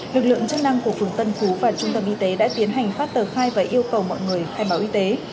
lực lượng chức năng của phường tân phú và trung tâm y tế đã tiến hành phát tờ khai và yêu cầu mọi người khai báo y tế